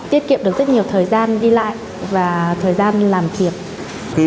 tiết kiệm được rất nhiều thời gian đi lại và thời gian làm việc